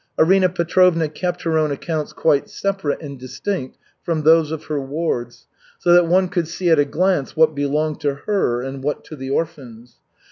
Arina Petrovna kept her own accounts quite separate and distinct from those of her wards, so that one could see at a glance what belonged to her and what to the orphans.